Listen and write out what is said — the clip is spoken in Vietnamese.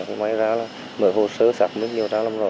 thì mới ra là mở hồ sơ sạc minh nhiều trang lâm rồi